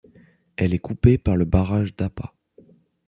Elle est coupée par le barrage d'Apa.